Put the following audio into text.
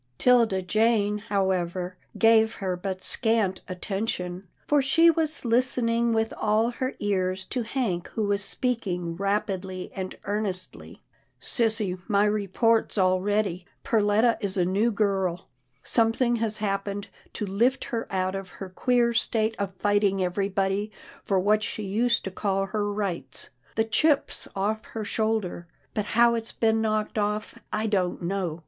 'Tilda Jane, however, gave her but scant atten tion, for she was listening with all her ears to Hank who was speaking rapidly and earnestly. " Sissy, my report's all ready. Perletta is a new girl. Something has happened to lift her out of her queer state of fighting everybody for what she used to call her rights. The chip's off her shoulder, but how it's been knocked off, I don't know.